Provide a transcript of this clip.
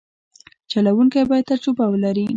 چلوونکی باید تجربه ولري.